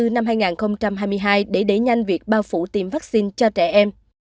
năm hai nghìn hai mươi hai để đẩy nhanh việc bao phủ tiêm vaccine cho trẻ em